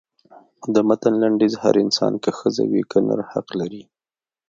د متن لنډیز هر انسان که ښځه وي که نر حقوق لري.